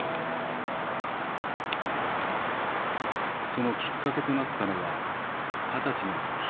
そのきっかけとなったのは二十歳の時。